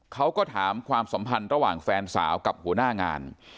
เขาก็ถามความสัมพันธ์ระหว่างแฟนสาวกับหัวหน้างาน